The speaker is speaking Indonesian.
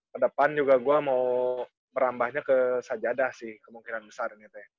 terdepan juga gue mau merambahnya ke sajadah sih kemungkinan besar